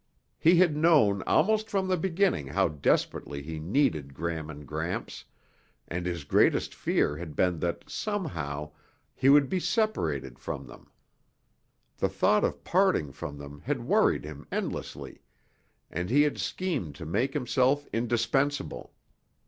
He had known almost from the beginning how desperately he needed Gram and Gramps, and his greatest fear had been that, somehow, he would be separated from them. The thought of parting from them had worried him endlessly, and he had schemed to make himself indispensable.